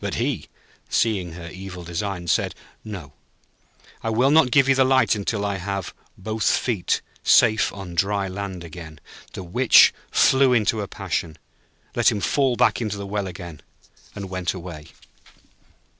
But he, seeing her evil designs, said: 'No; I will not give you the light till I have both feet safe on dry land again.' The Witch flew into a passion, let him fall back into the well again, and went away.